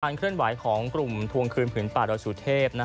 เคลื่อนไหวของกลุ่มทวงคืนผืนป่าดอยสุเทพ